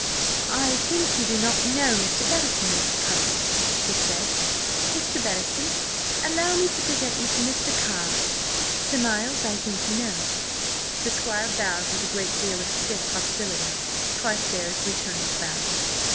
"I think you do not know Mr. Bettison, Mr. Carr?" she said. "Mr. Bettison, allow me to present you to Mr. Carr. Sir Miles I think you know?" The squire bowed with a great deal of stiff hostility. Carstares returned the bow.